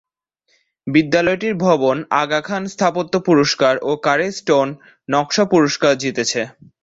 বিদ্যালয়টির ভবন আগা খান স্থাপত্য পুরস্কার ও কারি স্টোন নকশা পুরস্কার জিতেছে।